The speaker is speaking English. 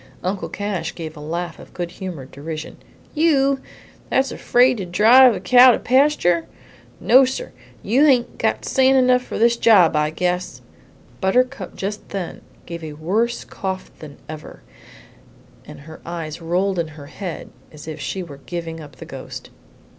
Uncle Cash gave a laugh of good humored derision. "You that's afraid to drive a cow to pasture? No, sir; you hain't got sand enough for this job, I guess!" Buttercup just then gave a worse cough than ever, and her eyes rolled in her head as if she were giving up the ghost.